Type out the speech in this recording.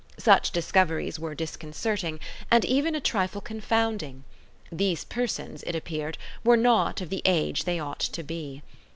Such discoveries were disconcerting and even a trifle confounding: these persons, it appeared, were not of the age they ought to be.